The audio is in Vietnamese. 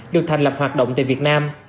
được thành lập hoạt động tại việt nam